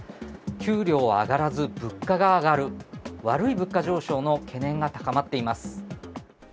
給料は上がらず、物価は上がる、悪い物価上昇の懸念が高まっています。